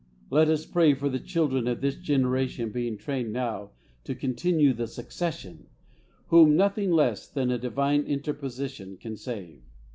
Let us pray for the children of this generation being trained now "to continue the succession," whom nothing less than a Divine interposition can save.